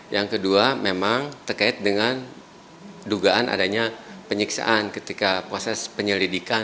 yang kedua memang terkait dengan dugaan adanya penyiksaan ketika proses penyelidikan